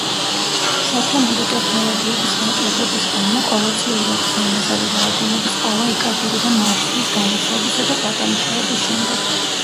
სათანადო ტექნოლოგიების ნაკლებობის გამო, ყოველწლიურად უზარმაზარი რაოდენობის ყავა იკარგებოდა მარცვლის გამოშრობისა და გადამუშავების შემდეგ.